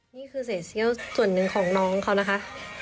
นี่คือเศษเซี่ยวส่วนหนึ่งของน้องเขานะคะ